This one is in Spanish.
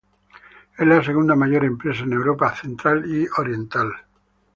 Es la segunda mayor empresa en Europa Central y Oriental.